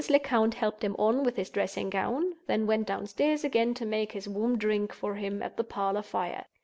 Lecount helped him on with his dressing gown—then went down stairs again to make his warm drink for him at the parlor fire.